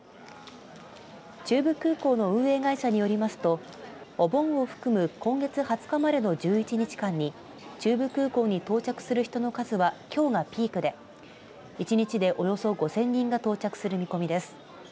中部空港の運営会社によりますとお盆を含む今月２０日までの１１日間に中部空港に到着する人の数はきょうがピークで１日でおよそ５０００人が到着する見込みです。